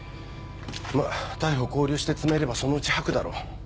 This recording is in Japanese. まぁ逮捕勾留して詰めればそのうち吐くだろう。